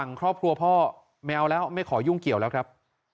ส่งมาขอความช่วยเหลือจากเพื่อนครับ